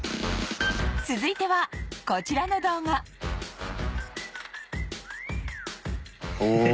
続いてはこちらの動画へえ。